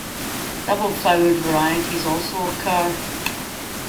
Double flowered varieties also occur.